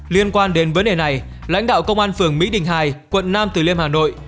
liên quan đến vấn đề này lãnh đạo công an phường mỹ đình hai quận nam từ liêm hà nội